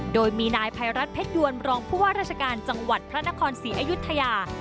โดยมีนายภัยรัฐเพชรดวนรองผู้ว่าราชการจังหวัดพระนครศรีอยุธยา